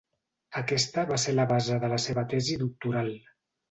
Aquesta va ser la base de la seva tesi doctoral.